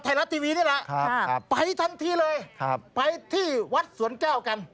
ไทยรัฐทีวีนี่แหละครับครับไปทันทีเลยครับไปที่วัดสวนแก้วกัน